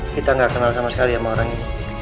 kita gak kenal sama sekali sama orang ini